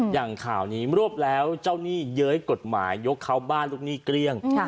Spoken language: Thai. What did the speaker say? อย่างข่าวนี้รวบแล้วเจ้าหนี้เย้ยกฎหมายยกเขาบ้านลูกหนี้เกลี้ยง